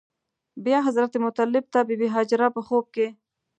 بیا حضرت مطلب ته بې بي هاجره په خوب کې.